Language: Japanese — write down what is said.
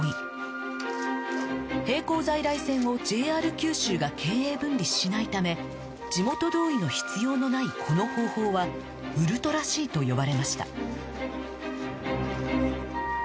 並行在来線を ＪＲ 九州が経営分離しないため地元同意の必要のないこの方法はウルトラ Ｃ と呼ばれました